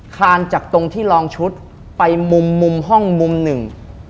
คานจากตรงที่ลองชุดไปมุมมุมห้องมุมหนึ่ง